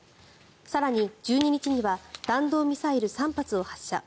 更に１２日には弾道ミサイル３発を発射。